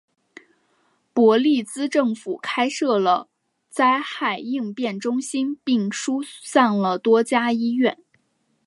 伯利兹政府开设了灾害应变中心并疏散了多家医院。